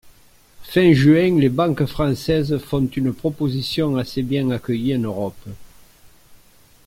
Fin juin, les banques françaises font une proposition assez bien accueillie en Europe.